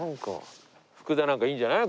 福田なんかいいんじゃない？